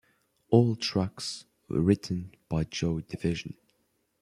All tracks written by Joy Division.